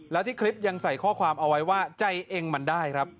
แล้วที่คลิปยังใส่ข้อความเอาไว้ว่าใจเองมันได้ครับ